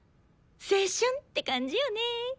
青春って感じよねぇ。